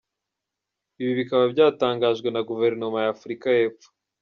Ibi bikaba byatangajwe na guverinoma ya Afurika y’Epfo.